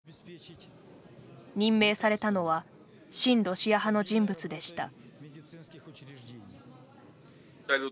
任命されたのは親ロシア派の人物でした。